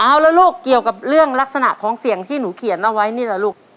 เอาแล้วลูกเกี่ยวกับเรื่องลักษณะของเสียงที่หนูเขียนเอาไว้นี่แหละลูก